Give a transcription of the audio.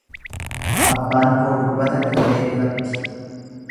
Abbaan koo dubbata dirree irratti.